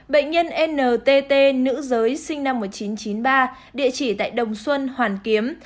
bệnh nhân ntt nữ giới sinh năm một nghìn chín trăm chín mươi ba địa chỉ tại đồng xuân hoàn kiếm